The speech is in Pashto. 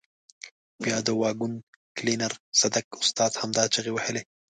بیا د واګون کلینر صدک استاد همدا چیغې وهلې.